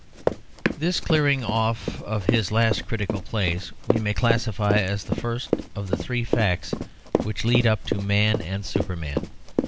This clearing off of his last critical plays we may classify as the first of the three facts which lead up to Man and Superman.